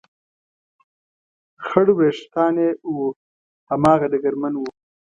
خړ وېښتان یې و، هماغه ډګرمن و.